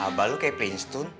abah lu kayak plain stone